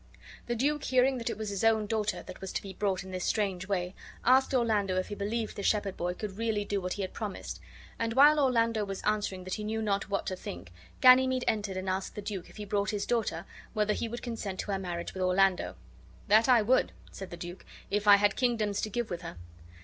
The duke, hearing that it was his own daughter that was to be brought in this strange way, asked Orlando if he believed the shepherd boy could really do what he had promised; and while Orlando was answering that he knew not what to think, Ganymede entered and asked the duke, if he brought his daughter, whether he would consent to her marriage with Orlando. "That I would," said the duke, "if I had kingdoms to give with her."